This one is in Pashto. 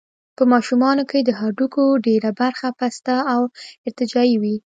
په ماشومانو کې د هډوکو ډېره برخه پسته او ارتجاعي وي.